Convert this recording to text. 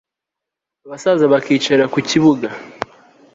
abasaza bakiyicarira ku bibuga